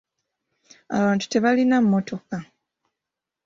Abantu tebaalina mmotoka.